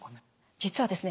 実はですね